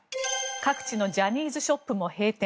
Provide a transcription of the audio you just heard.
各地のジャニーズショップも閉店。